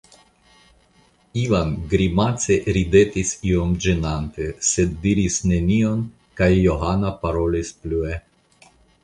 Ivan grimace ridetis iom ĝenate, sed diris nenion kaj Johano parolis plue.